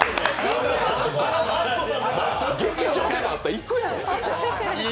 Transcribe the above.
劇場でもあったら、行くやろ。